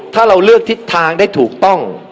ถ้าเราเลือกทิศทางได้ถูกต้อง